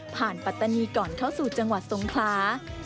ปัตตานีก่อนเข้าสู่จังหวัดสงคลา